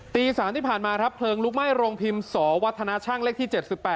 ตี๓ที่ผ่านมาครับเพลิงลุกไหม้โรงพิมพ์สวัฒนาช่างเลขที่๗๘